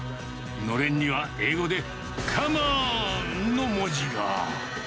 のれんには、英語でカモーン！の文字が。